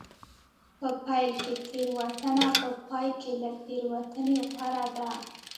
په پیل کې تېروتنه په پای کې له تېروتنې غوره ده.